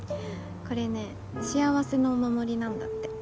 これね幸せのお守りなんだって。